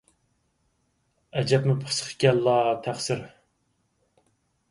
ئەجەبمۇ پىخسىق ئىكەنلا، تەقسىر.